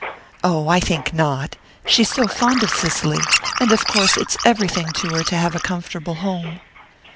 "Oh, I think not she's so fond of Cicely. And of course it's everything to her to have a comfortable home."